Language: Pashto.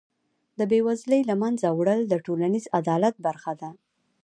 د بېوزلۍ له منځه وړل د ټولنیز عدالت برخه ده.